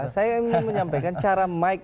saya ingin menyampaikan cara mike